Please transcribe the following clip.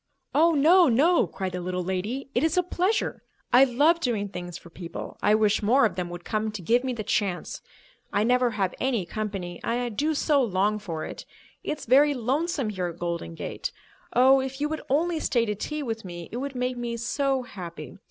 "Oh, no, no," cried the little lady. "It is a pleasure. I love doing things for people, I wish more of them would come to give me the chance. I never have any company, and I do so long for it. It's very lonesome here at Golden Gate. Oh, if you would only stay to tea with me, it would make me so happy.